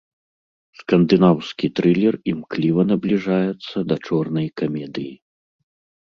Скандынаўскі трылер імкліва набліжаецца да чорнай камедыі.